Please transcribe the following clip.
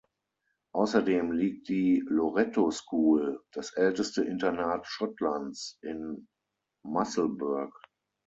Außerdem liegt die Loretto School, das älteste Internat Schottlands, in Musselburgh.